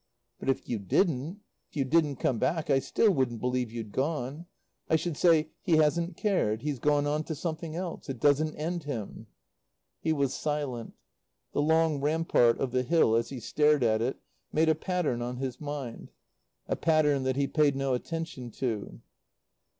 "But if you didn't if you didn't come back I still wouldn't believe you'd gone. I should say, 'He hasn't cared. He's gone on to something else. It doesn't end him.'" He was silent. The long rampart of the hill, as he stared at it, made a pattern on his mind; a pattern that he paid no attention to.